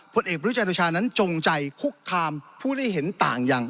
พล่นเอกบริจาโยชานั้นจงใจคุกคามผู้ใดเห็นต่างอย่าง